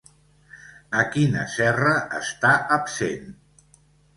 A quina serra està absent?